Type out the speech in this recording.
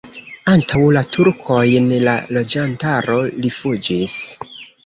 Antaŭ la turkojn la loĝantaro rifuĝis.